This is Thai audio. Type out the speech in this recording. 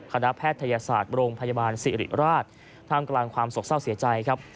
แพทยศาสตร์โรงพยาบาลสิริราชท่ามกลางความสกเศร้าเสียใจครับ